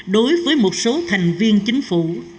đối với một số thành viên chính phủ